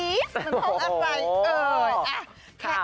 มันคงอฟไลน์